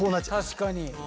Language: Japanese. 確かに。